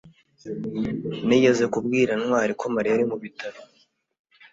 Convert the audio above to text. nigeze kubwira ntwali ko mariya ari mu bitaro